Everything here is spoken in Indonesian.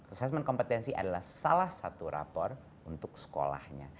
assessment kompetensi adalah salah satu rapor untuk sekolahnya